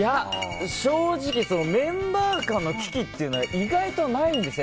正直、メンバー間の危機というのは意外とないんですね。